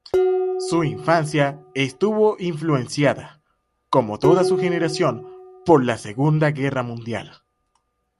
Su infancia, estuvo influenciada, como toda su generación, por la segunda guerra mundial.